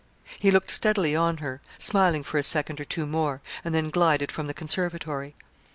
He looked steadily on her, smiling for a second or two more, and then glided from the conservatory.